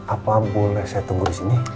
apa boleh saya tunggu di sini